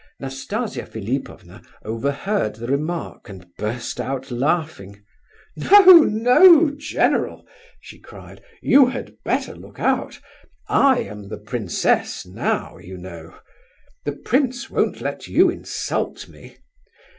Nastasia Philipovna overheard the remark, and burst out laughing. "No, no, general!" she cried. "You had better look out! I am the princess now, you know. The prince won't let you insult me.